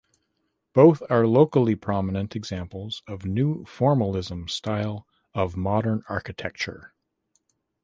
Both are locally prominent examples of New Formalism style of Modern architecture.